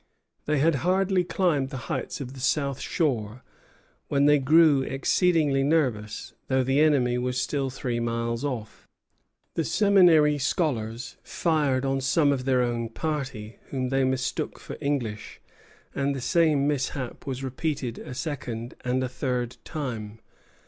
They had hardly climbed the heights of the south shore when they grew exceedingly nervous, though the enemy was still three miles off. The Seminary scholars fired on some of their own party, whom they mistook for English; and the same mishap was repeated a second and a third time.